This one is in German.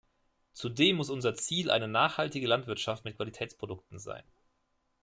Zudem muss unser Ziel eine nachhaltige Landwirtschaft mit Qualitätsprodukten sein.